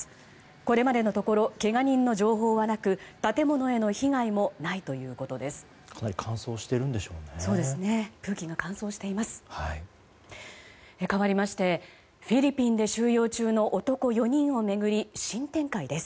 これまでのところけが人の情報はなく建物への被害もないということです。